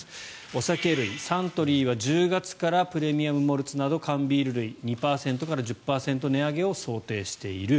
お酒類サントリーは１０月からザ・プレミアム・モルツなど缶ビール類２％から１０％の値上げを想定している。